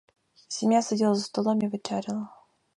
Сім'я сиділа за столом і вечеряла.